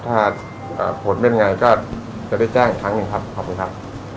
ถ้าผลเล่นงานก็จะได้แจ้งอีกครั้งหนึ่งครับขอบคุณครับ